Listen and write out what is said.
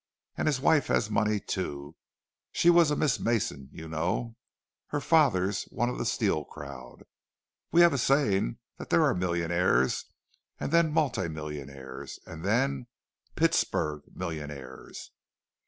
And his wife has money, too—she was a Miss Mason, you know, her father's one of the steel crowd. We've a saying that there are millionaires, and then multi millionaires, and then Pittsburg millionaires.